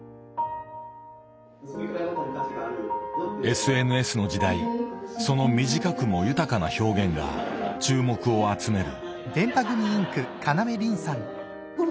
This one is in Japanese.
ＳＮＳの時代その短くも豊かな表現が注目を集める。